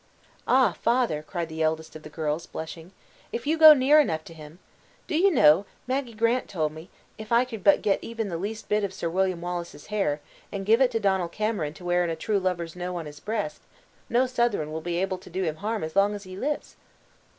"Ah, father," cried the eldest of the girls, blushing, "if you go near enough to him! Do you know, Madgie Grant told me, if I could but get even the least bit of Sir William Wallace's hair, and give it to Donal Cameron to wear in a true lover's know on his breast, no Southron will be able to do him harm as long as he lives!"